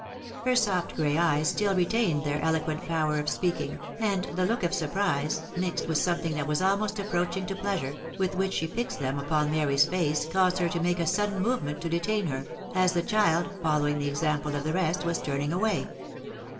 Her soft gray eyes still retained their eloquent power of speaking, and the look of surprise, mixed with something that was almost approaching to pleasure, with which she fixed them upon Mary's face caused her to make a sudden movement to detain her, as the child, following the example of the rest, was turning away.